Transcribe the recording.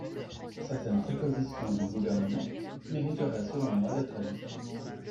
Certaines propositions du Gouvernement mériteraient, selon moi, d’être ajustées.